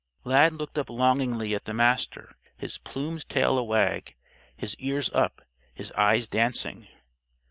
_" Lad looked up longingly at the Master, his plumed tail a wag, his ears up, his eyes dancing.